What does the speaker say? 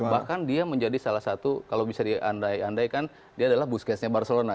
bahkan dia menjadi salah satu kalau bisa diandai andaikan dia adalah buskesnya barcelona